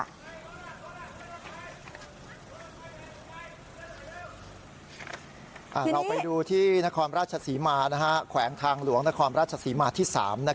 เราไปดูที่นครราชศรีมาแขวงทางหลวงนครราชศรีมาที่๓